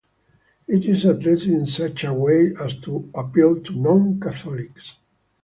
It is addressed in such a way as to appeal to non-Catholics.